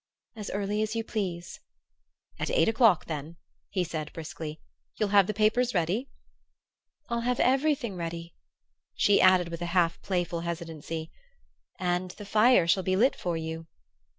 "As early as you please." "At eight o'clock, then," he said briskly. "You'll have the papers ready?" "I'll have everything ready." She added with a half playful hesitancy: "And the fire shall be lit for you."